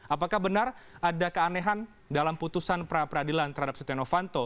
apakah benar ada keanehan dalam putusan pra peradilan terhadap setia novanto